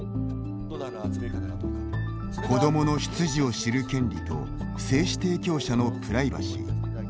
子どもの出自を知る権利と精子提供者のプライバシー。